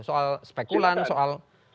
soal spekulan soal